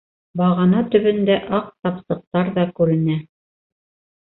Бағана төбөндә аҡ тапсыҡтар ҙа күренә.